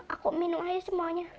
aku minum aja semuanya